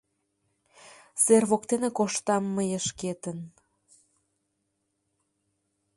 Сер воктене коштам мые шкетын.